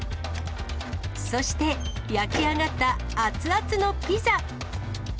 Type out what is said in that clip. そして、焼き上がった熱々のピザ。